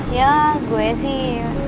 ya gue sih